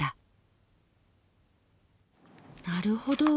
なるほど。